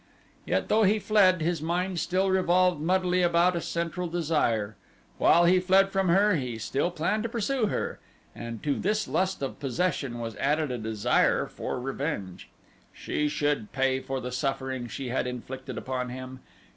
Yet though he fled his mind still revolved muddily about a central desire while he fled from her he still planned to pursue her, and to his lust of possession was added a desire for revenge. She should pay for the suffering she had inflicted upon him.